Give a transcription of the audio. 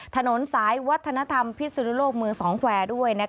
ถนนสายวัฒนธรรมพิสุนุโลกเมืองสองแควร์ด้วย